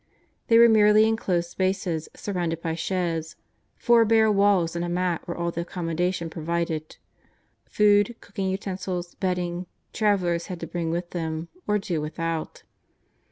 They were merely enclosed spaces surrounded by sheds ; four bare walls and a mat were all the accommodation provided; food, cooking utensils, bedding, travellers had to bring with them, or do without.